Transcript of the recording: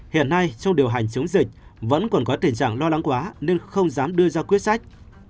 hiện nay trong điều hành chống dịch vẫn còn có tình trạng lo lắng quá nên không dám đưa ra quyết sách